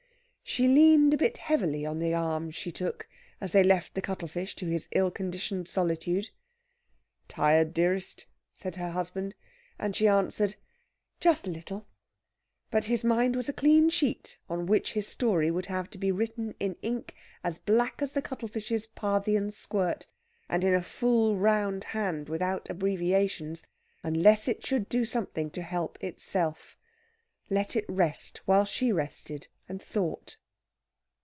She leaned a bit heavily on the arm she took as they left the cuttlefish to his ill conditioned solitude. "Tired, dearest?" said her husband; and she answered, "Just a little!" But his mind was a clean sheet on which his story would have to be written in ink as black as the cuttlefish's Parthian squirt, and in a full round hand without abbreviations, unless it should do something to help itself. Let it rest while she rested and thought.